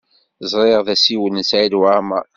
Ẓriɣ d asiwel n Saɛid Waɛmaṛ.